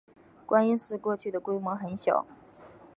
观音寺过去的规模很小。